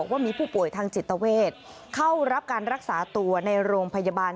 ว่ามีผู้ป่วยทางจิตเวทเข้ารับการรักษาตัวในโรงพยาบาล